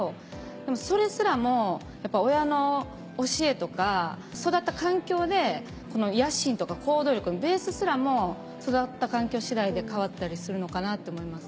でもそれすらもやっぱ親の教えとか育った環境で野心とか行動力のベースすらも育った環境次第で変わったりするのかなって思います。